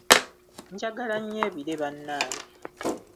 Njagala nnyo ebire bange!